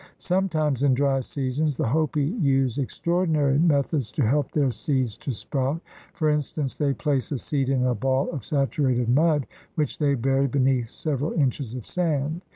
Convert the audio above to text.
Sometimes in dry seasons the Hopi use extraordinary methods to help their seeds to sprout. For instance, they place a seed in a ball of saturated mud which they bury beneath several inches of sand.